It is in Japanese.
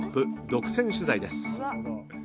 独占取材です。